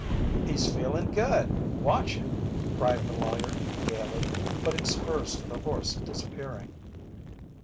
"He's feeling good watch him!" cried the lawyer, gaily, putting spurs to the horse and disappearing.